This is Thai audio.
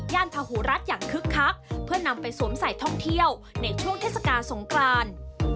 ทหูรัฐอย่างคึกคักเพื่อนำไปสวมใส่ท่องเที่ยวในช่วงเทศกาลสงกราน